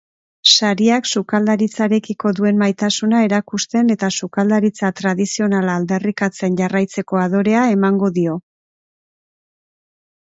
Sariak sukaldaritzarekiko duen maitasuna erakusten eta sukaldaritza tradizionala aldarrikatzen jarraitzeko adorea emango dio.